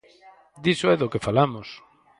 Diso é do que falamos.